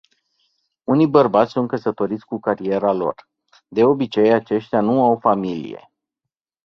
Unii bărbați sunt căsătoriți cu cariera lor. De obicei aceștia nu au familie.